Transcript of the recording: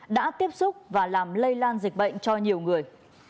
đã tiếp xúc và làm lây lan dịch bệnh cho nhiều người